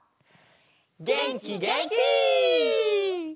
げんきげんき！